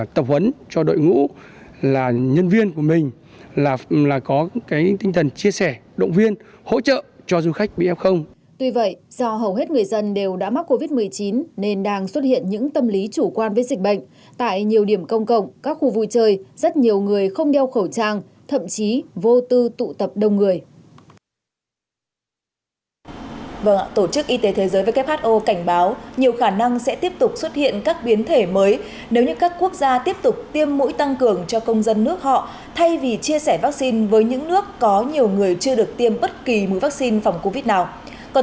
tổ chức y tế thế giới who cảnh báo nhiều khả năng sẽ tiếp tục xuất hiện các biến thể mới nếu như các quốc gia tiếp tục tiêm mũi tăng cường cho công dân nước